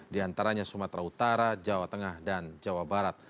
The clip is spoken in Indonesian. diantaranya sumatera utara jawa tengah dan jawa barat